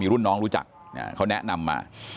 รุ่นน้องรู้จักเขาแนะนำมา